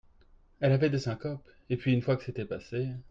Elle avait des syncopes ! et puis, une fois que c’était passé…